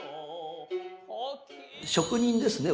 職人ですね